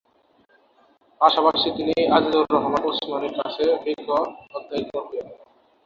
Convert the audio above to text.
পাশাপাশি তিনি আজিজুর রহমান উসমানির কাছে ফিকহ অধ্যয়ন করতেন।